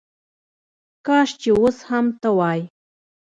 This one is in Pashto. کاش چې وس هم ته وای